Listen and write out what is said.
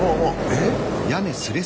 えっ？